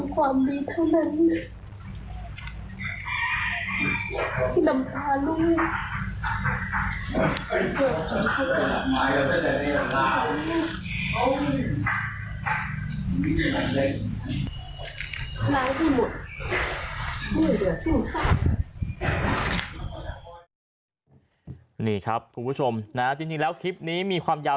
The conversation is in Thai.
เขามีแบบเส้นนี่ครับผู้ผู้ชมนะจริงแล้วคลิปนี้มีความยาว